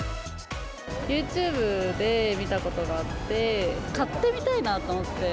ユーチューブで見たことがあって、買ってみたいなと思って。